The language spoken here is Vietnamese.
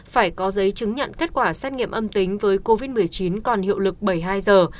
phải có giấy chứng nhận kết quả xét nghiệm âm tính với covid một mươi chín còn hiệu lực bảy mươi hai giờ